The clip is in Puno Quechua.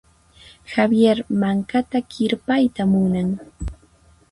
Javier mankata kirpayta munan.